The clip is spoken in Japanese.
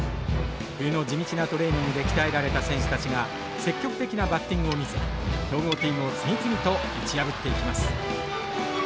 冬の地道なトレーニングで鍛えられた選手たちが積極的なバッティングを見せ強豪チームを次々と打ち破っていきます。